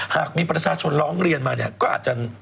หากมีประชาชนร้องเรียนมาเนี่ยก็อาจจะ